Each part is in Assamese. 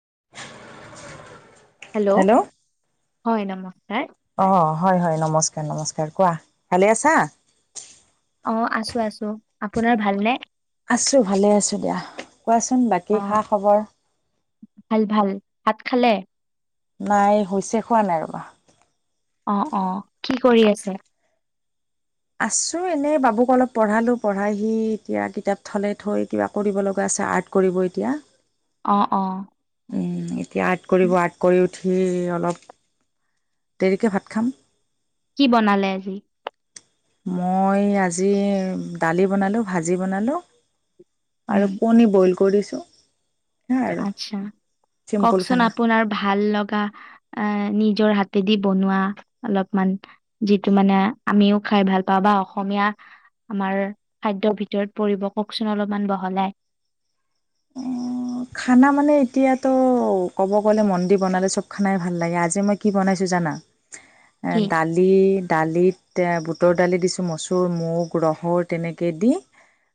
[inaudible] হেল্ল' হয় নমস্কাৰ। অ হয় হয় নমস্কাৰ নমস্কাৰ। কোৱা ভালে আছা? অ আছো আছো। আপোনাৰ ভালনে? আছো ভালে আছো দিয়া। কোৱাচোন অ বাকী খা খবৰ? ভাল ভাল, ভাত খালে? নাই হৈছে খোৱা নাই ৰবা। অ অ কি কৰি আছে? আছো এনেই বাবুক অলপ পঢ়ালো, পঢ়াইহি এতিয়া কিতাপ থলে থৈ কিবা কৰিব লগা আ আচ্ছা আৰ্ট কৰিব এতিয়া। অ অ। এতিয়া আৰ্ট কৰিব, আৰ্ট কৰি উঠি অলপ দেৰিকে ভাত খাম। কি বনালে আজি? মই আজি দালি বনালোঁ, ভাজি বনালোঁ। উম আৰু কণী বইল কৰিছোঁ। সেয়াই আৰু আচ্ছা, চিম্পুল কওকচোন খানা আপোনাৰ ভাল লগা আহ নি জৰ হাতেদি বনোৱা, অলপমান যিটো মানে আমিও খাই ভাল পাওঁ বা অসমীয়া আমাৰ খাদ্যৰ ভিতৰত পৰিব কওঁকচোন অলপমান বহলাই? [inaudible] খানা মানে, এতিয়াতো ক'ব গ'লে মন দি বনালে চব খানাই ভাল লাগে। আজি মই কি বনাইছোঁ জানা! কি দালি, দালিত বুট বুটৰ দালি দিছোঁ, মচুৰ, মুগ, ৰহৰ তেনেকৈ দি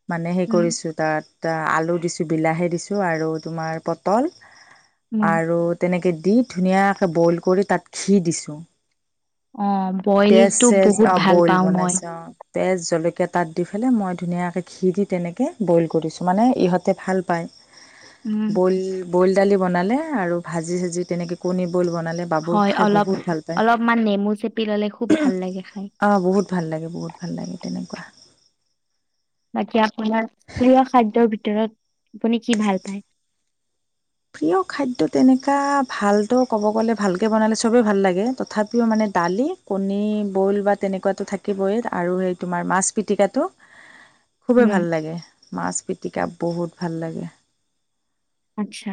মানে, হেই উম কৰিছোঁ। তাত আলু দিছোঁ, বিলাহী দিছোঁ আৰু তোমাৰ পটল উম আৰু তেনেকে দি ধুনীয়াকৈ বইল কৰি তাত ঘি দিছোঁ। অ পিয়াজ বইলটো চিয়াজ, বহুত অ'! ভাল বইল পাওঁ মই বনাইছে। অ'! তেজ, জলকীয়া তাত দি পেলাই মই ধুনীয়াকৈ ঘি দি তেনেকৈ বইল কৰিছোঁ। মানে, ইহঁতে ভাল পায়। উম বইল, বইল দালি বনালে আৰু ভাজি, চাজি তেনেকে কণী বইল বনালে বাবু হয় খায় অলপ বহুত ভাল পায়। অলপমান নেমু চেপি ললে খুব ভাল লাগে খাই অ'! বহুত ভাল লাগে বহুত। ভাল লাগে তেনেকুৱা। বাকী আপোনাৰ প্ৰিয় খাদ্যৰ ভিতৰত, আপুনি কি ভাল পায়? প্ৰিয় খাদ্য তেনেকুৱা ভালতো ক'ব গ'লে, ভালকে বনালে চবে ভাল লাগে। তথাপিও মানে দালি, কণী বইল বা তেনেকুৱা থাকিবই আৰু সেই তোমাৰ মাছ পিটিকাটো [inaudible] খুবেই ভাল লাগে। মাছ পিটিকা বহুত ভাল লাগে। আচ্ছা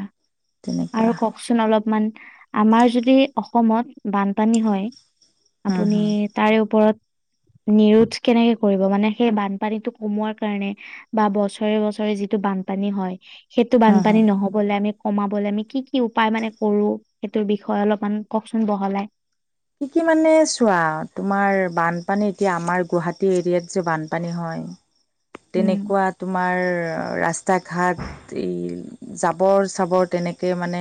তেনেকুৱা আৰু কওঁকচোন অলপমান? আমাৰ যদি অসমত বানপানী হয়। হুম আপুনি হুম তাৰে ওপৰত [inaudible] নিৰোধ কেনেকৈ কৰিব। মানে, সেই বানপানীটো কমোৱাৰ কাৰণে বা বছৰে, বছৰে যিটো বান বানপানী হয়। সেইটো বান হুম হুম আমি, কমাবলে আমি কি কি উপায় মানে কৰোঁ। সেইটোৰ বিষয়ে অলপমান কওঁকচোন বহলাই? কি, কি মানে চোৱা, তোমাৰ বানপানী এতিয়া, আমাৰ গুৱাহাটী এৰিয়াত যে বানপানী হয় হয় উম তেনেকুৱা তোমাৰ ৰা ৰাস্তা ঘাট, এই জাবৰ চাবৰ তেনেকে মানে,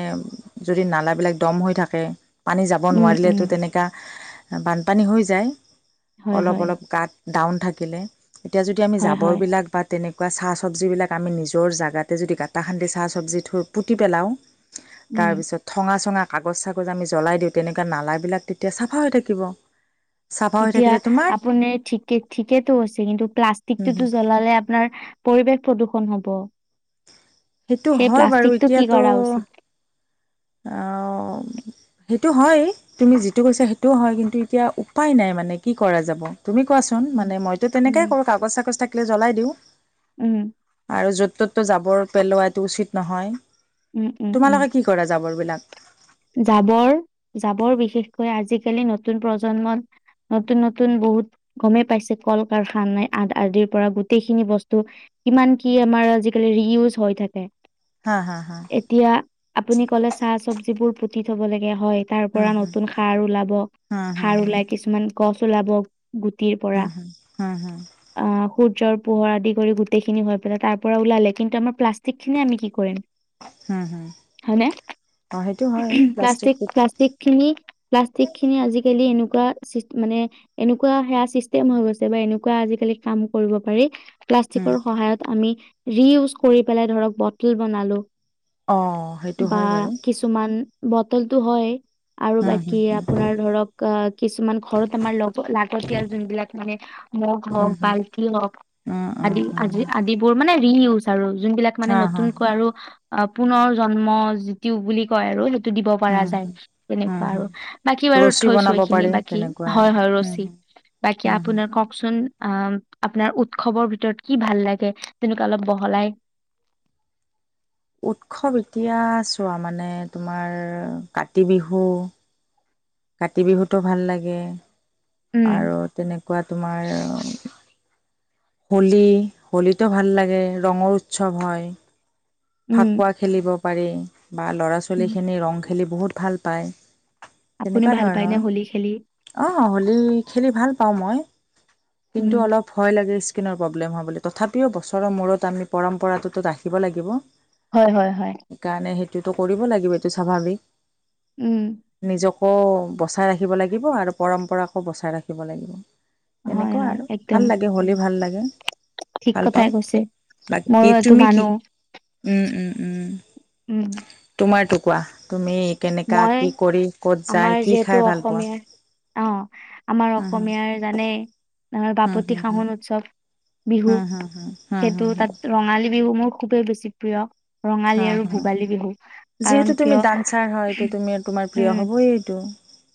যদি নালাবিলাক দম হৈ থাকে। মানুহ যাব উম নোৱাৰিলে উম ত' বানপানী হৈ যায়। হয় অলপ, হয় অলপ গাত ডাউন থাকিলে। এতিয়া, যদি আমি হয় হয় জাবৰবিলাক বা তেনেক চাহ চবজিবিলাক আমি নিজৰ জেগাতে যদি কাটা খান্দি চাহ চবজি থৈ পুতি পেলাওঁ। উম তাৰপিছত, ঠঙা -চঙা কাগজ চাগজ আনি জ্বলাই দিওঁ। তেনেকুৱা নালাবিলাক তেতিয়া চাফা হৈ থাকিব। চাফা হৈ এতিয়া থাকিলে তোমাৰ আপুনি ঠিকে, ঠিকেতটো কৈছে। কিন্তু, প্লাষ্টিকটোত জ্বলালে আপোনাৰ পৰিৱেশ প্ৰদূষণ হ'ব। সেইটো সেই হয় প্লাষ্টিকটো কি কৰা উচিত? অ'! সেইটো হয়। তুমি যিটো কৈছা সেইটোও হয়। কিন্তু, এতিয়া উপায় নাই মানে, কি কৰা যাব। তুমি কোৱাচোন? উম মানে, মইতো তেনেকে উম কৰোঁ, কাগজ চাগজ থাকিলে জ্বলাই দিওঁ। উম আৰু য'ত, ত'ত তো জাবৰ পেলোৱাটো উচিত নহয়। উম! উম! উম! জাবৰ বিলাক। জাবৰ, জাবৰ বিশেষকৈ আজিকালি নতুন প্ৰজন্মত নতুন, নতুন বহুত গমেই পাইছে। কল- কাৰখানাই আদিৰ পৰা গোটেই খিনি বস্তু কিমান কি আমাৰ আজিকালি ৰিউজ হৈ থাকে। হা হা হা এতিয়া আপুনি ক'লে চাহ, চবজিবোৰ পুতি থব' লাগে। হয়! তাৰ, হুম পৰা হুম নতুন সাৰ ওলাব। হুম হুম সাৰ ওলাই হুম কিছুমান গছ ওলাব। গুটিৰ পৰা, হুম হুম হুম হুম আঁ সূ সূৰ্যৰ পোহৰ আদি কৰি গোটেইখিনি হৈ পেলাই তাৰপৰা ওলালে। কিন্তু, আমাৰ প্লাষ্টিক খিনিয়ে আমি কি কৰিম? হু! হু! হয়নে? অ'! সেইটো হয় প্লাষ্টিক, প্লাষ্টিকটো প্লাষ্টিক খিনি, প্লাষ্টিক খিনি, আজিকালি এনেকা ক' মানে, এনেকুৱা সেয়া চিষ্টেম হৈ গৈছে বা এনেকুৱা আজিকালি কাম কৰিব পাৰি। প্লাষ্টিকৰ সহায়ত আমি ৰিউজ কৰি পেলাই ধৰক বটল বনালো। অ সেইটো হয় বাৰু। বতলটো হয় আৰু হুম বাকী হুম হুম আপোনাৰ ধৰক আহ কিছুমান ঘৰত আমাৰ লগ লাগতিয়াল যোনবিলাক মানে মগ হওক, হুম হুম বাল্টি হওক অঁ অঁ আদি অঁ আদি আদিবোৰ মানে ৰি ইউজ আৰু যোনবিলাক মানে হা হা নতুনকৈ আৰু পুনৰ জন্ম বুলি। কৈ আৰু। দিব পৰা হুম যায় হুম হুম তেনেকুৱা হুম আৰু বাকী বাৰু ৰছী থৈছো বনাব এইখিনি পাৰি বাকী তেনেকুৱা আৰু হয়, হয় হম ৰছী। হম বাকী হম হম আপোনাৰ কওকচোন? অ আপোনাৰ উৎসৱৰ ভিতৰত কি ভাল লাগে তেনেকুৱা অলপ বহলাই [inaudible] উৎসৱ এতিয়া চোৱা মানে তোমাৰ কাতি বিহু কাতি বিহুতো ভাল লাগে উম আৰু তেনেকুৱা তোমাৰ হোলী, হোলীতো ভাল লাগে ৰঙৰ উৎসৱ হয়। উম ফাকুৱা খেলিব পাৰি বা ল'ৰা- উম ছোৱালীখিনি ৰং খেলি বহুত ভাল পায়। আপুনি তেনেকুৱা ভাল পায়নে ধৰণৰ, হোলী খেলি আহ হলী খেলি ভাল পাওঁ মই। উম, কিন্তু অলপ ভয় লাগে ইচ কিণৰ প্ৰব্লেম হয় বুলি তথাপিও বছৰৰ মূৰত আমি পৰম্পৰা তত আহিব লাগিব হয় হয় হয়। এইটোটো কৰিব লাগিব এইটো স্বাভাৱিক। উম। আকৌ বচাই ৰাখিব লাগিব আৰু পৰম্পৰাকো বচাই ৰাখিব লাগিব। হয়, তেনেকুৱা হয়, আৰু একদম ভাল লাগে হলী ভাল লাগে। ঠিক ভাল কথাই পাওঁ, কৈছে। ময়ো বাকী এইটো তুমি মানো, কি? উম উম উম। উম। তোমাৰ টুকুৰা তুমি, কেনেকা মই কি কৰি ক'ত আমাৰ যায় কি যিহেতু খাই ভাল পোৱা? অসমীয়াৰ অ আমাৰ হুম অসমীয়াৰ জানে হুম বাপতি হুম হুম শাহোন উৎসৱ বিহু, হুম হুম হুম হুম সেইটো হুম হুম তাত ৰঙালী বিহু মোৰ খুবেই বেছি প্ৰিয়। ৰঙালী হুম আৰু হুম ভোগালী বিহু কাৰণ কিয়? টো তুমি তোমাৰ প্ৰিয় উম, হ'বই এইটো।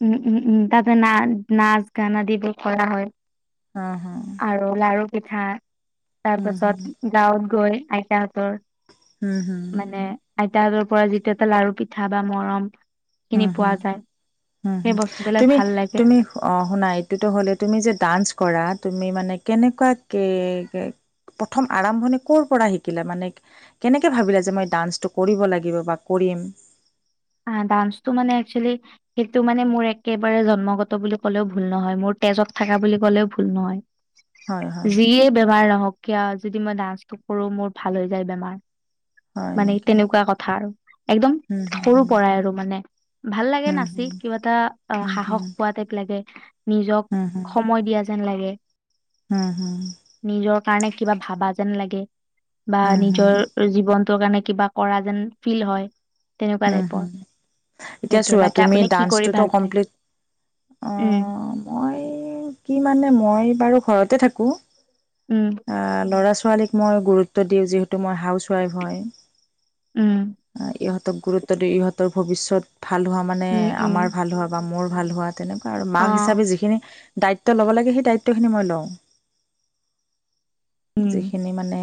উম উম উম তাতে না নাচ গান আদিবোৰ কৰা হয়। হ হ। আৰু লাৰু পিঠা, তাৰ হুম হুম পাছত গাঁৱত গৈ আইতাহঁতৰ হুম হুম। আইতাহতৰ পৰা যিটো এটা লাৰু পিঠা বা মৰম হুম খিনি পোৱা হুম যায়। হুম সেই হুম, বস্তুবিলাক তুমি ভাল লাগে তুমি অ শুনা এইটোতো হ'লে তুমি যে ডান্স কৰা তুমি মানে কেনেকুৱা কে প্ৰথম আৰম্ভণি কৰ পৰা শিকিলে মানে কেনেকৈ ভাবিলে যে মই ডান্সটো কৰিব লাগিব বা কৰিম? [inaudible] অ ডান্সটো মানে একচেলি সেইটো মানে মোৰ একেবাৰে জন্মগত বুলি ক'লেও ভুল নহয়, মোৰ তেজত থাকা বুলি ক'লেও ভুল হয়, হয়, নহয়। যিয়ে বেমাৰ নহক কিয় যদি মই ডান্সটো কৰো মোৰ ভাল হৈ যায় বেমাৰ। হয় মানে নেকি? তেনেকুৱা কথা আৰু একদম হুম, হুম, সৰু হুম। পৰাই আৰু মানে, ভাল লাগে হুম, নাচি হুম, কিবা এটা অ হুম, হুম, সাহস পোৱা টাইপ লাগে। নিজক হুম, হুম, সময় দিয়া যেন লাগে। হুম হুম। নিজৰ কাৰণে কিবা ভাবা যেন লাগে বা হুম, নিজৰ হুম, জীৱন ত কাৰণে কিবা কৰা যেন ফিল হয়। তেনেকুৱা হুম টাইপৰ হুম, এতিয়া সেইটোৱে চোৱা বাকী তুমি আপুনি কি কৰি ডান্সটো ত ভাল পায় কমপ্লিট অ উম মই কি মানে মই বাৰু ঘৰতে থাকো। অ উম ল'ৰা ছোৱালীক মই গুৰুত্ব দিওঁ যিহেতু মই হাউচৱাইফ হয়। উম সিহঁতক গুৰুত্ব দি ইহঁতৰ ভৱিষ্যত ভাল হোৱা মানে উম উম আমাৰ ভাল হোৱা বা মোৰ ভাল হোৱা তেনেকুৱা আৰু অ মাক হিচাপে যিখিনি দায়িত্ব ল'ব লাগে সেই দায়িত্ব খিনি মই লওঁ। উম যিখিনি মানে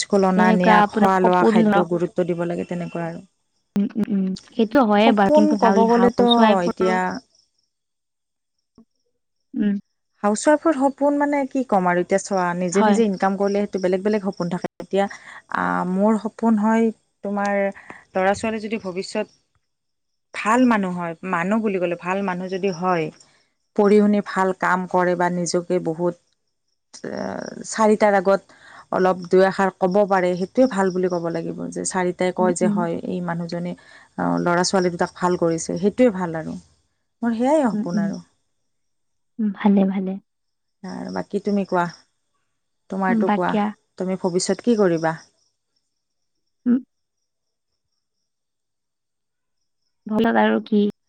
স্কুল অনা তেনেকুৱা নিয়া আপোনাৰ খোৱা লোৱা সপোন খাদ্য গুৰুত্ব দিব লাগে তেনেকুৱা আৰু উম উম উম সেইটো হয়ে বাৰু সপোন কিন্তু হা ক'ব গ'লেতো হাউচৱাইফৰো এতিয়া উম হাউচ ৱাইফৰ সপোন মানে কি ক'ম আৰু এতিয়া চোৱা নিজে হয় নিজে ইনকাম কৰিলে বেলেগ বেলেগ সপোন থাকে তেতিয়া আ মোৰ সপোন হয় তোমাৰ ল'ৰা-ছোৱালী যদি ভৱিষ্যত ভাল মানুহ হয় মানুহ বুলি ক'লে ভাল মানুহ যদি হয় পঢ়ি শুনি ভাল কাম কৰে বা নিজকে বহুত চাৰিটাৰ আগত অলপ দুআষাৰ ক'ব পাৰে সেইটোৱে ভাল বুলি ক'ব লাগিব চাৰিটাই উম কয় যে উম হয় এই মানুহজনে ল'ৰা- ছোৱালী দুটাক ভাল কৰিছে সেইটোৱে ভাল আৰু মোৰ সেয়াই উম সপোন উম আৰু উম ভালে ভালে বাকী তুমি কোৱা উম তোমাৰতো কোৱা বাকীয়া তুমি ভৱিষ্যত কি কৰিবা? উম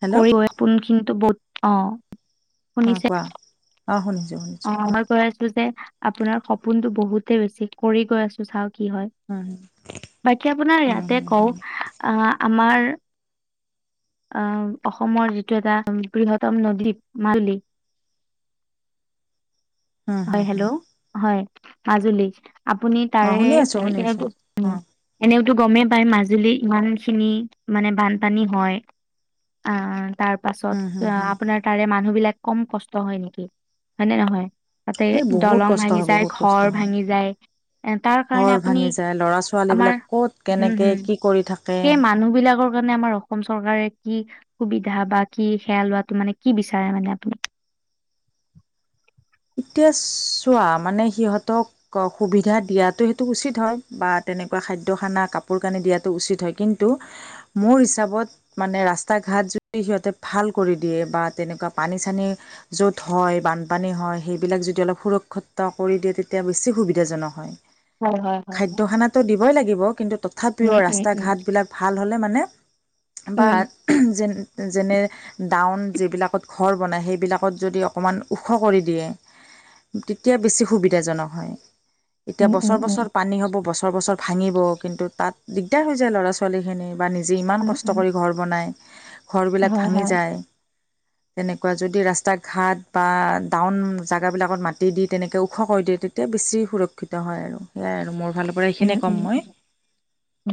হেল্ল' কিন্তু বহুত অ অঁ শুনিছে কোৱা অঁ শুনিছোঁ অ শুনিছোঁ কোৱা মই কৈ আছো যে আপোনাৰ সপোনতো বহুতে বেছি কৰি গৈ আছো চাওক কি হয় হুম বাকী আপোনাৰ হুম ইয়াতে হুম কওঁ হুম আহ আমাৰ আহ অসমৰ যিটো এটা বৃহত্তম নদী মালদ্বীপ হুম হুম হয় হুম হেল্ল' হয় মাজুলী আপুনি অঁ তাৰে শুনি আছোঁ শুনি আছোঁ অঁ এনে টো গমেই পাই মাজুলী ইমান খিনি মানে বানপানী হয় অ অ তাৰ পাছত হুম হুম হুম আপোনাৰ তাৰে মানুহ বিলাক কম কষ্ট হয় নেকি হয় নে নহয়? তাতে এই বহুত দলং কষ্ট ভাঙি হয় যায় বহুত কষ্ট ঘৰ হয় ভাঙি যায় এ তাৰ কাৰণে ঘৰ আপুনি ভাঙি যায় ল'ৰা আমাৰ ছোৱালীবিলাক ক'ত হম কেনেকে হম কি কৰি থাকে সেই মানুহ বিলাকৰ কাৰণে আমাৰ অসম চৰকাৰে কি সুবিধা বা কি সেয়া লোৱাটো মানে কি বিচাৰে মানে আপুনি? [unintelligible] এতিয়া চোৱা মানে সিহঁতক সুবিধা দিয়াতো সেইটো উচিত হয় বাত তেনেকুৱা খাদ্য খানা কাপোৰ কানি দিয়াটো উচিত হয় কিন্তু মোৰ হিচাপত মানে ৰাস্তা ঘাট ঘাত যদি সিহঁতে ভাল কৰি দিয়ে বা তেনেকুৱা পানী চানী য'ত হয় বানপানী হয় সেইবিলাক যদি অলপ সুৰক্ষিত কৰি দিয়ে তেতিয়া বেছি সুবিধাজনক হয় হয় হয় হয় হয় দিব‌ই লাগিব কিন্তু তথাপিও উম ৰাস্তা ঘাট বিলাক ভাল হ'লে মানে বাট যেনে যেনে ডাউন যিবিলাকত ঘৰ বনায় সেইবিলাকত যদি অকণমান ওখ কৰি দিয়ে তেতিয়া বেছি সুবিধাজনক হয়। এতিয়া উম উম উম বছৰ উম বছৰ পানী হ'ব বছৰ বছৰ ভাঙিব কিন্তু তাত দিগদাৰ হৈ যায় ল'ৰা ছোৱালী খিনি বা নিজে ইমান উম উম কষ্ট কৰি ঘৰ বনায় উম ঘৰবিলাক হয় ভাঙি হয় যায় তেনেকুৱা যদি ৰাস্তা ঘাট বা ডাউন জেগাবিলাকত মাটি দি তেনেকৈ ওখ কৰি দিয়ে তেতিয়া বেছি সুৰক্ষিত হয় আৰু সেয়াই আৰু মোৰ ফালৰ পৰা উম এইখিনিয়ে উম ক'ম মই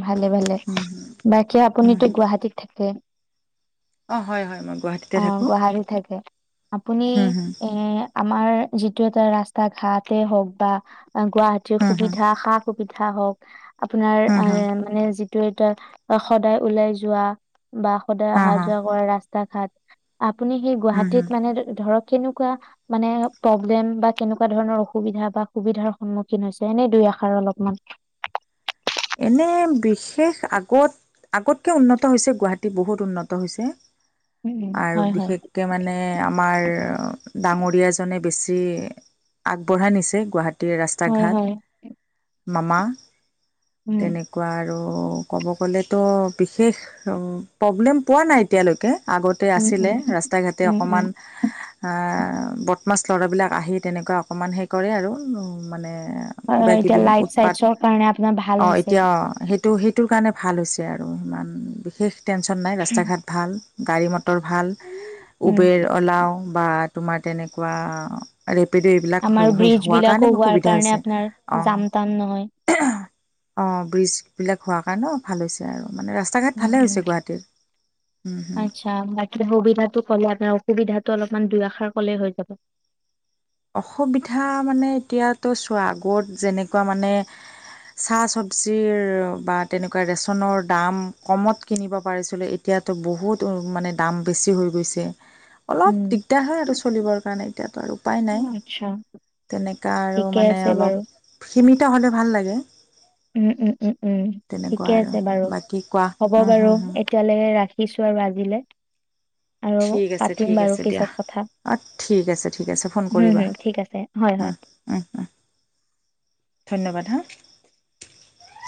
ভালে ভালে বাকী আপুনিতো গুৱাহাটীত থাকে অহ, হয়- হয় মই গুৱাহাটীতে অহ, থাকোঁ গুৱাহাটীত থাকে আপুনি হু হু এ আমাৰ যি এইটো এটা ৰাস্তা ঘাটেই হওক বা গুৱাহাটীৰ হু হু সুবিধা সা -সুবিধা হওক আপোনাৰ হু এ হু মানে যিটো এটা সদায় ওলাই যোৱা বা সদায় হা আহা হা যোৱা কৰা ৰাস্তা ঘাট আপুনি সেই হম হম গুৱাহাটীত মানে ধৰক কেনেকুৱা মানে প্ৰব্লেম বা কেনেকুৱা ধৰণৰ অসুবিধা বা সুবিধাৰ সন্মুখীন হৈছে এনে দুই আশাৰ অলপ উম [inaudible] এনে বিশেষ আগত আগতকে উন্নত হৈছে গুৱাহাটী বহুত উন্নত হৈছে। আৰু হয় হয় বিশেষকে মানে আমাৰ ডাঙৰীয়াজনে বেছি আগবঢ়াই নিছে গুৱাহাটী তে ৰাস্তা- হয় ঘাট হয় মামা উম তেনেকুৱা আৰু ক'ব গ'লেতো বিশেষ প্ৰব্লেম পোৱা নাই এতিয়ালৈকে আগতে উম আছিলে উম ৰাস্তা -ঘাটে উম উম অকমান বদমাছ ল'ৰাবিলাক আহি তেনেকুৱা অকমান সেই কৰে আৰু মানে হয়, এতিয়া লাইট -চাইটছৰ কাৰণে আপোনাৰ ভাল অহ, এতিয়া হৈছে সেইটো -সেইটোৰ কাৰণে ভাল হৈছে আৰু সিমান বিশেষ টেনচন নাই ৰাস্তা- ঘাট ভাল গাড়ী -মটৰ ভাল উম, উবেৰ -অলাও বা তোমাৰ তেনেকুৱা ৰেপ অ পি দি এইবিলাক আমাৰ ব্ৰিজ হোৱাৰ বিলাকো কাৰণে হোৱাৰ সুবিধা কাৰণে হৈছে আপোনাৰ যাম তাম নহয়। অহ অহ, ব্ৰিজ বিলাক হোৱাৰ কাৰণেও ভাল হৈছে আৰু মানে ৰাস্তা ঘাট উম ভালে - উম হৈছে গুৱাহাটীৰ উম হুম আচ্ছা বাকী সুবিধাটো কলে আপোনাৰ সুবিধাটো অলপমান দুইআষাৰ কলেই হৈ যাব অসুবিধা মানে এতিয়াতো চোৱা আগত যেনেকুৱা মানে চাহ - চবজিৰ বা তেনেকুৱা ৰেচনৰ দাম কমত কিনিব পাৰিছিলো এতিয়া এতিয়াতো বহুত মানে দাম বেছি হৈ গৈছে অলপ উম। দিগদাৰ হয় আৰু চলিবৰ কাৰণে এতিয়াতো আৰু উপায় নাই আচ্ছা, তেনেকা আৰু ঠিকে মানে আছে বাৰু। অলপ সীমিত হ'লে ভাল লাগে উম -উম -উম -উম তেনেকুৱা ঠিকে আৰু আছে বাৰু বাকী কোৱা হ'ব উম হুম বাৰু হুম এতিয়ালৈ ৰাখি ৰাখিছোঁ আৰু আজিলে আৰু ঠিক আছে পাতিম ঠিক বাৰু আছে দিয়া পিছত কথা অঁ ঠিক আছে ঠিক আছে ফোন হম- কৰিবা হম ঠিক আছে হয়- হয় ধন্যবাদ হা